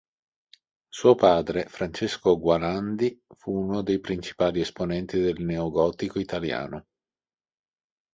Suo padre, Francesco Gualandi, fu uno dei principali esponenti del neogotico italiano.